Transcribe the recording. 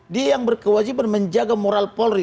dia yang berkewajiban menjaga moral polri